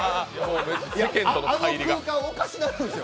あの空間、おかしなるんですよ。